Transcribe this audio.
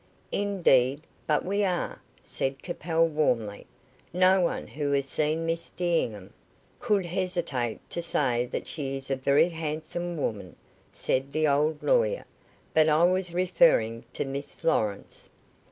"Indeed, but we are," said Capel, warmly. "No one who has seen Miss D'Enghien " "Could hesitate to say that she is a very handsome woman," said the old lawyer, "but I was referring to Miss Lawrence."